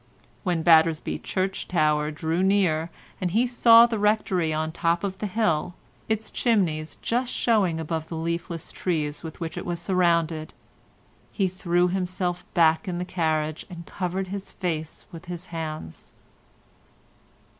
When Battersby church tower drew near, and he saw the Rectory on the top of the hill, its chimneys just showing above the leafless trees with which it was surrounded, he threw himself back in the carriage and covered his face with his hands.